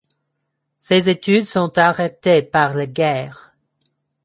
Ses études sont arrêtées par la guerre.